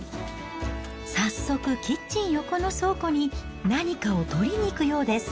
早速、キッチン横の倉庫に何かを取りに行くようです。